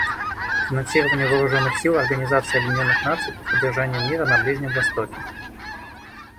Финансирование Вооруженных сил Организации Объединенных Наций по поддержанию мира на Ближнем Востоке.